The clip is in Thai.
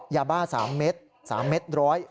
ยาบ้า๓เม็ด๓เม็ดร้อย